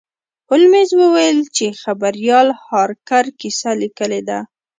هولمز وویل چې خبریال هارکر کیسه لیکلې ده.